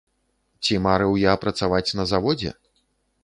Ці марыў я працаваць на заводзе?